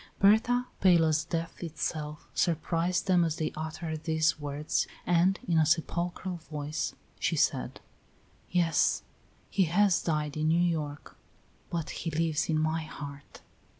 Berta, pale as death itself, surprised them as they uttered these words, and in a sepulchral voice she said: "Yes, he has died in New York, but he lives in my heart."